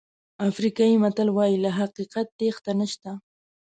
افریقایي متل وایي له حقیقت تېښته نشته.